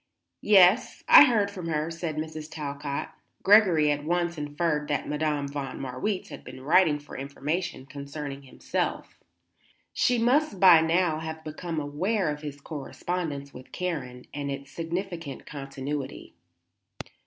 "Yes; I heard from her," said Mrs. Talcott. Gregory at once inferred that Madame von Marwitz had been writing for information concerning himself. She must by now have become aware of his correspondence with Karen and its significant continuity.